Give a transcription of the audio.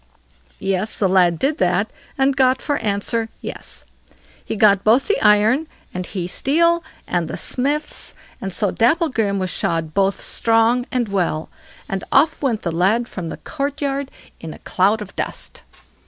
Yes, the lad did that, and got for answer "Yes!" He got both the iron and the steel, and the smiths, and so Dapplegrim was shod both strong and well, and off went the lad from the court yard in a cloud of dust.